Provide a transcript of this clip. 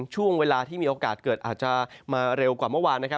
ช่วงเวลาที่มีโอกาสเกิดอาจจะมาเร็วกว่าเมื่อวานนะครับ